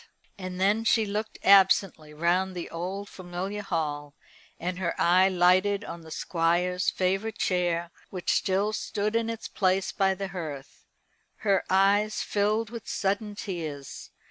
And then she looked absently round the old familiar hall, and her eye lighted on the Squire's favourite chair, which still stood in its place by the hearth. Her eyes filled with sudden tears.